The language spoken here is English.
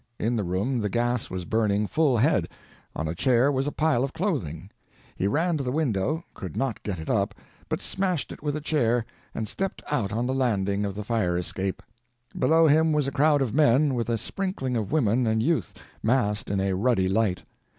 In the room the gas was burning full head; on a chair was a pile of clothing. He ran to the window, could not get it up, but smashed it with a chair, and stepped out on the landing of the fire escape; below him was a crowd of men, with a sprinkling of women and youth, massed in a ruddy light.